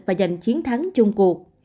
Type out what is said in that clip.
và giành chiến thắng chung cuộc